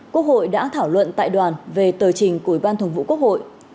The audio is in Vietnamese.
quốc hội đã thảo luận tại đoàn về tờ trình của ủy ban thường vụ quốc hội